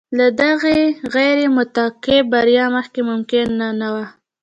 له دغې غیر متوقع بریا مخکې ممکنه نه وه.